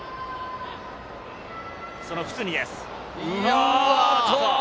そのフスニです。